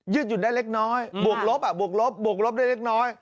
ยื่นหยุดน่ะเล็กน้อยบวกรบเนอบบวกรบได้เล็กน้อย